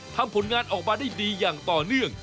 ผลงานออกมาได้ดีอย่างต่อเนื่อง